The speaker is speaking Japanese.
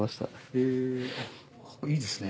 へぇいいですね。